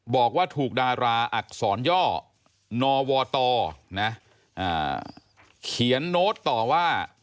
บอกว่าถูกดาราอักษรย่อนวตเขียนโน้ตต่อว่า